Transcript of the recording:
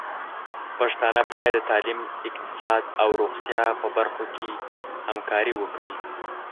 پښتانه بايد د تعليم، اقتصاد او روغتيا په برخو کې همکاري وکړي.